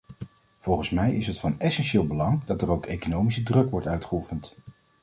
Volgens mij is het van essentieel belang dat er ook economische druk wordt uitgeoefend.